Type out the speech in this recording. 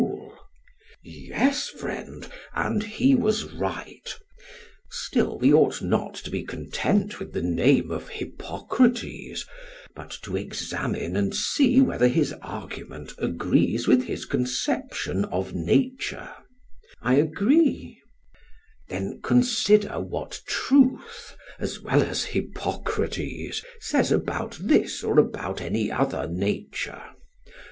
SOCRATES: Yes, friend, and he was right: still, we ought not to be content with the name of Hippocrates, but to examine and see whether his argument agrees with his conception of nature. PHAEDRUS: I agree. SOCRATES: Then consider what truth as well as Hippocrates says about this or about any other nature.